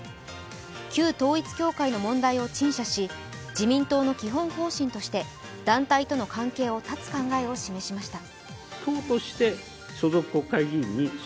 旧統一教会の問題を陳謝し、自民党の基本方針として団体との関係を断つ考えを示しました。